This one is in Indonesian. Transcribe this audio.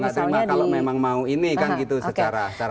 nggak terima kalau memang mau ini kan gitu secara